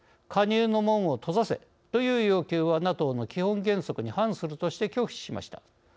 加入の門を閉ざせという要求はＮＡＴＯの基本原則に反するとして拒否しました。